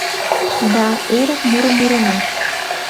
Да эрык мурым муренат.